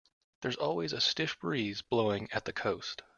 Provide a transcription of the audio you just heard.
There's always a stiff breeze blowing at the coast.